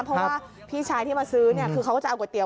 เพราะว่าพี่ชายที่มาซื้อคือเขาก็จะเอาก๋วยเตี๋ยว